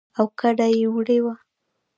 او کډه يې وړې وه.